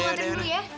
aku mau antarin dulu ya